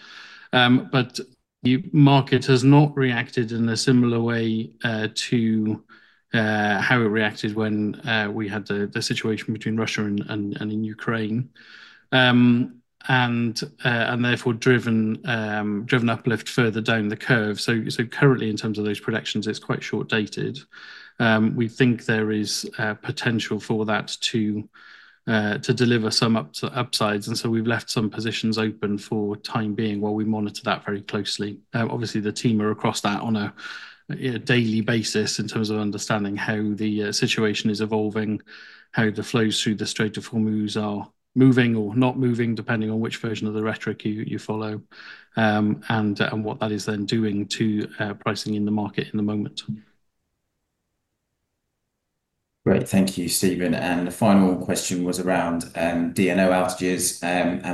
S3: The market has not reacted in a similar way to how it reacted when we had the situation between Russia and in Ukraine. Therefore driven uplift further down the curve. Currently, in terms of those projections, it's quite short-dated. We think there is potential for that to deliver some upsides, we've left some positions open for time being while we monitor that very closely. Obviously, the team are across that on a daily basis in terms of understanding how the situation is evolving, how the flows through the Strait of Hormuz are moving or not moving, depending on which version of the rhetoric you follow, and what that is then doing to pricing in the market in the moment.
S4: Great. Thank you, Stephen. The final question was around DNO outages,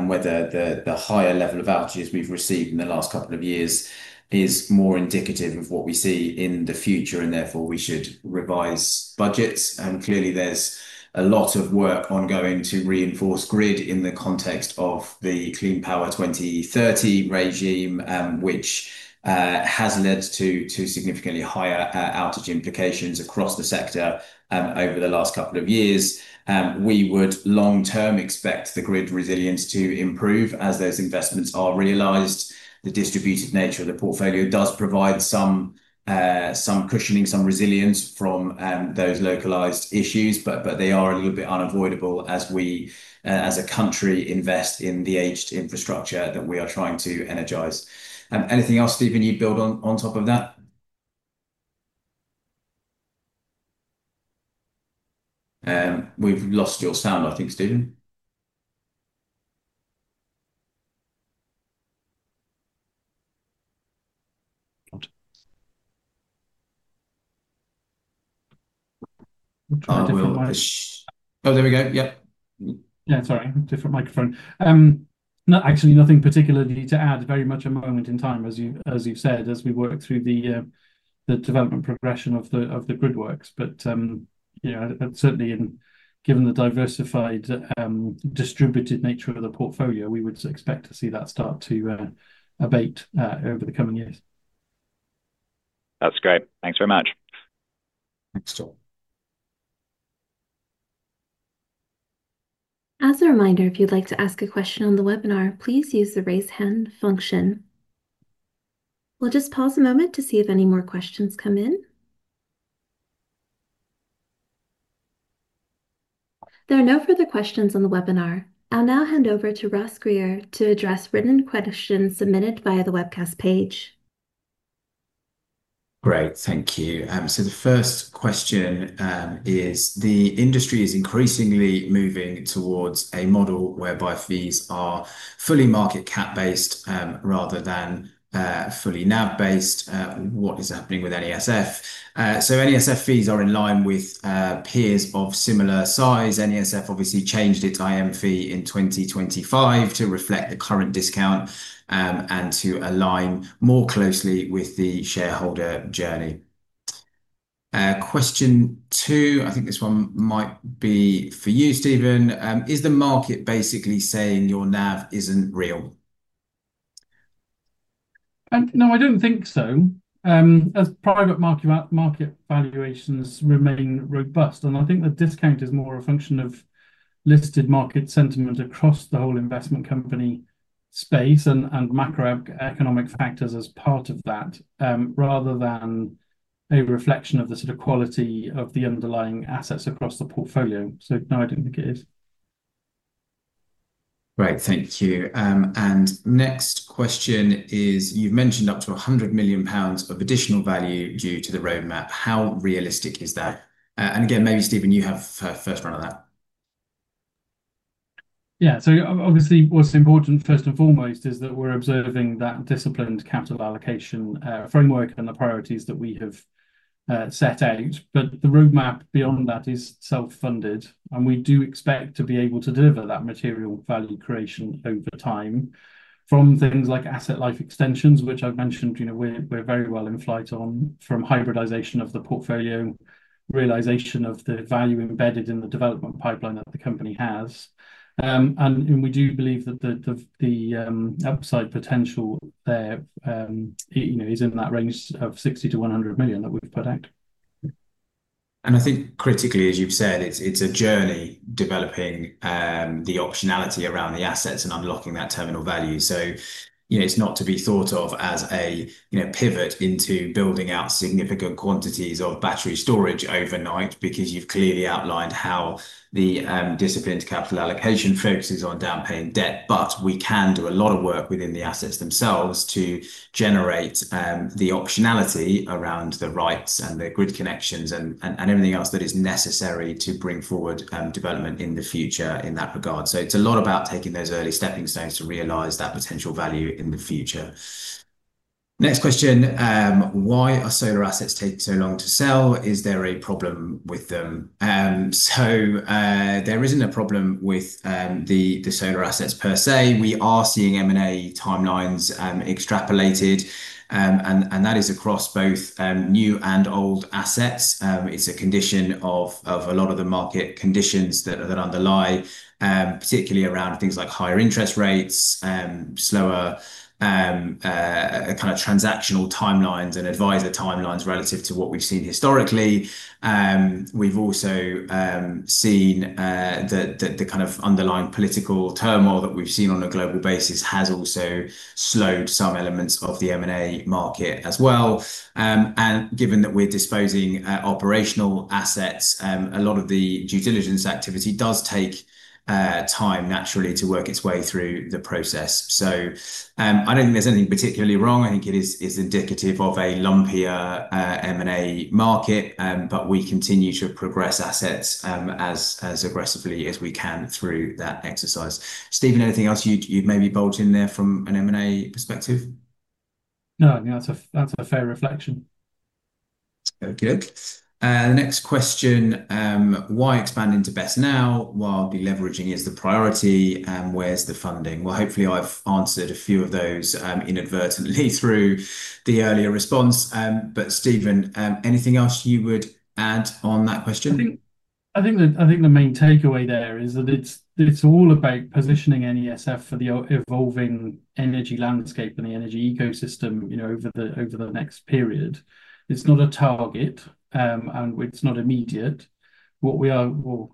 S4: whether the higher level of outages we've received in the last couple of years is more indicative of what we see in the future, therefore we should revise budgets. Clearly, there's a lot of work ongoing to reinforce grid in the context of the Clean Power 2030 regime, which has led to significantly higher outage implications across the sector over the last couple of years. We would long-term expect the grid resilience to improve as those investments are realized. The distributed nature of the portfolio does provide some cushioning, some resilience from those localized issues, but they are a little bit unavoidable as we, as a country, invest in the aged infrastructure that we are trying to energize. Anything else, Stephen, you'd build on top of that? We've lost your sound, I think, Stephen.
S3: Try a different mic.
S4: Oh, there we go. Yep.
S3: Yeah, sorry. Different microphone. Actually, nothing particularly to add. Very much a moment in time, as you've said, as we work through the development progression of the grid works. Certainly, given the diversified distributed nature of the portfolio, we would expect to see that start to abate over the coming years.
S6: That's great. Thanks very much.
S3: Thanks.
S1: As a reminder, if you'd like to ask a question on the webinar, please use the raise hand function. We'll just pause a moment to see if any more questions come in. There are no further questions on the webinar. I'll now hand over to Ross Grier to address written questions submitted via the webcast page.
S4: Great. Thank you. The first question is, the industry is increasingly moving towards a model whereby fees are fully market cap based rather than fully NAV based. What is happening with NESF? NESF fees are in line with peers of similar size. NESF obviously changed its IM fee in 2025 to reflect the current discount, and to align more closely with the shareholder journey. Question two, I think this one might be for you, Stephen. Is the market basically saying your NAV isn't real?
S3: No, I don't think so, as private market valuations remain robust. I think the discount is more a function of listed market sentiment across the whole investment company space and macroeconomic factors as part of that, rather than a reflection of the sort of quality of the underlying assets across the portfolio. No, I don't think it is.
S4: Great. Thank you. Next question is, you've mentioned up to 100 million pounds of additional value due to the roadmap. How realistic is that? Again, maybe Stephen, you have first run on that.
S3: Yeah. Obviously, what's important first and foremost is that we're observing that disciplined capital allocation framework and the priorities that we have set out. The roadmap beyond that is self-funded, and we do expect to be able to deliver that material value creation over time from things like asset life extensions, which I've mentioned, we're very well in flight on from hybridization of the portfolio, realization of the value embedded in the development pipeline that the company has. We do believe that the upside potential there is in that range of 60 million-100 million that we've put out.
S4: I think critically, as you've said, it's a journey developing the optionality around the assets and unlocking that terminal value. It's not to be thought of as a pivot into building out significant quantities of battery storage overnight, because you've clearly outlined how the disciplined capital allocation focuses on down-paying debt. We can do a lot of work within the assets themselves to generate the optionality around the rights and the grid connections and everything else that is necessary to bring forward development in the future in that regard. It's a lot about taking those early stepping stones to realize that potential value in the future. Next question. Why are solar assets take so long to sell? Is there a problem with them? There isn't a problem with the solar assets per se. We are seeing M&A timelines extrapolated, and that is across both new and old assets. It's a condition of a lot of the market conditions that underlie, particularly around things like higher interest rates, slower kind of transactional timelines and advisor timelines relative to what we've seen historically. We've also seen the kind of underlying political turmoil that we've seen on a global basis has also slowed some elements of the M&A market as well. Given that we're disposing operational assets, a lot of the due diligence activity does take time, naturally, to work its way through the process. I don't think there's anything particularly wrong. I think it is indicative of a lumpier M&A market. We continue to progress assets as aggressively as we can through that exercise. Stephen, anything else you'd maybe bolt in there from an M&A perspective?
S3: No, I think that's a fair reflection.
S4: Very good. Next question. Why expand into BESS now while deleveraging is the priority, and where is the funding? Hopefully I have answered a few of those inadvertently through the earlier response. Stephen, anything else you would add on that question?
S3: I think the main takeaway there is that it is all about positioning NESF for the evolving energy landscape and the energy ecosystem over the next period. It is not a target, and it is not immediate. What we are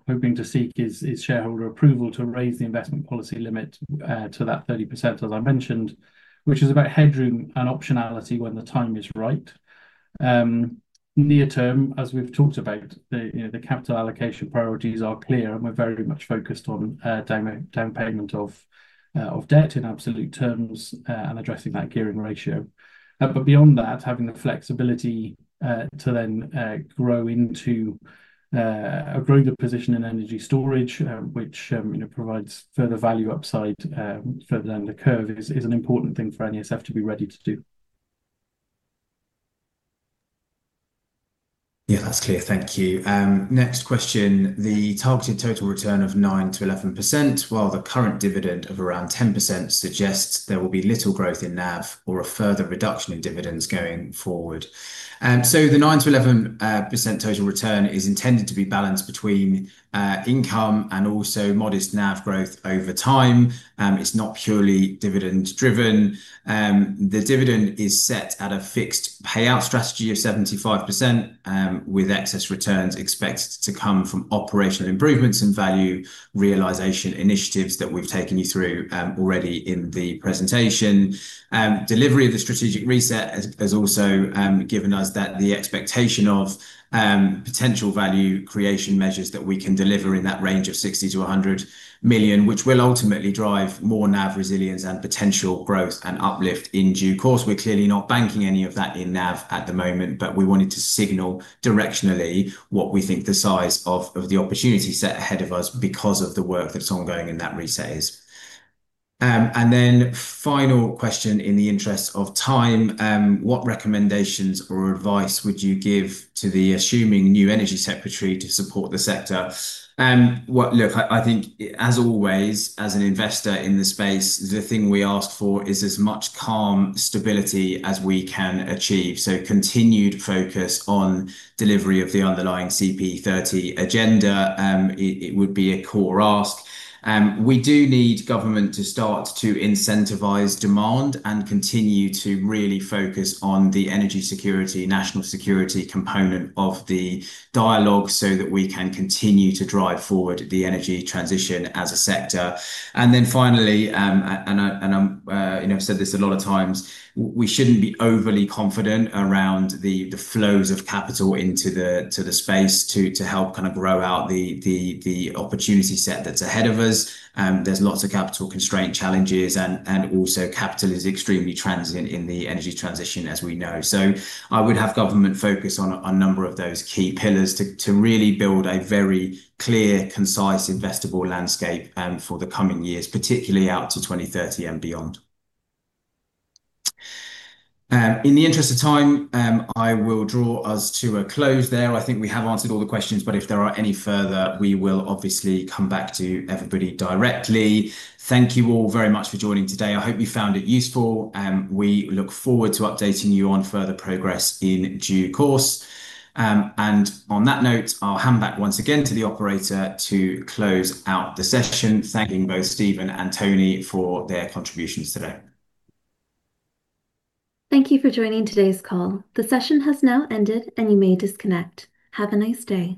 S3: hoping to seek is shareholder approval to raise the investment policy limit to that 30%, as I mentioned, which is about headroom and optionality when the time is right. Near term, as we have talked about, the capital allocation priorities are clear, and we are very much focused on down payment of debt in absolute terms, and addressing that gearing ratio. Beyond that, having the flexibility to then grow the position in energy storage, which provides further value upside further down the curve is an important thing for NESF to be ready to do.
S4: Yes, that is clear. Thank you. Next question. The targeted total return of 9%-11%, while the current dividend of around 10% suggests there will be little growth in NAV or a further reduction in dividends going forward. The 9%-11% total return is intended to be balanced between income and also modest NAV growth over time. It is not purely dividend driven. The dividend is set at a fixed payout strategy of 75%, with excess returns expected to come from operational improvements in value realization initiatives that we have taken you through already in the presentation. Delivery of the strategic reset has also given us that the expectation of potential value creation measures that we can deliver in that range of 60 million-100 million, which will ultimately drive more NAV resilience and potential growth and uplift in due course. We are clearly not banking any of that in NAV at the moment, we wanted to signal directionally what we think the size of the opportunity set ahead of us, because of the work that is ongoing in that reset is. Final question in the interest of time, what recommendations or advice would you give to the assuming new energy secretary to support the sector? Look, I think as always, as an investor in the space, the thing we ask for is as much calm stability as we can achieve. Continued focus on delivery of the underlying CP30 agenda, it would be a core ask. We do need government to start to incentivize demand and continue to really focus on the energy security, national security component of the dialogue so that we can continue to drive forward the energy transition as a sector. Finally, I've said this a lot of times, we shouldn't be overly confident around the flows of capital into the space to help kind of grow out the opportunity set that's ahead of us. There's lots of capital constraint challenges. Also, capital is extremely transient in the energy transition as we know. I would have government focus on a number of those key pillars to really build a very clear, concise, investable landscape for the coming years, particularly out to 2030 and beyond. In the interest of time, I will draw us to a close there. I think we have answered all the questions. If there are any further, we will obviously come back to everybody directly. Thank you all very much for joining today. I hope you found it useful. We look forward to updating you on further progress in due course. On that note, I'll hand back once again to the operator to close out the session, thanking both Stephen and Tony for their contributions today.
S1: Thank you for joining today's call. The session has now ended, and you may disconnect. Have a nice day.